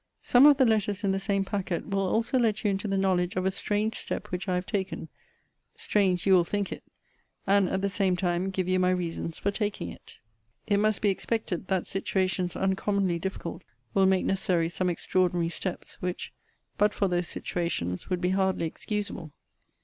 Some of the letters in the same packet will also let you into the knowledge of a strange step which I have taken, (strange you will think it); and, at the same time, give you my reasons for taking it.* * She means that of making Mr. Belford her executor. It must be expected, that situations uncommonly difficult will make necessary some extraordinary steps, which, but for those situations, would be hardly excusable.